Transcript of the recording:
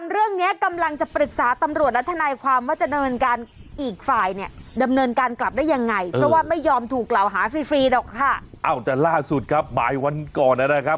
เราหาฟรีฟรีด้วยค่ะเอ้าแต่ล่าสุดครับบ่ายวันก่อนแล้วนะครับ